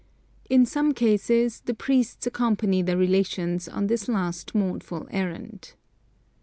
In some cases the priests accompany the relations on this last mournful errand.